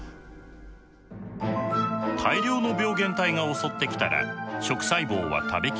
大量の病原体が襲ってきたら食細胞は食べきれません。